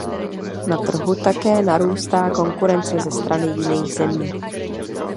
Na trhu také narůstá konkurence ze strany jiných zemí.